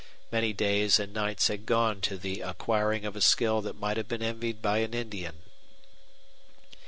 Many days and nights had gone to the acquiring of a skill that might have been envied by an Indian.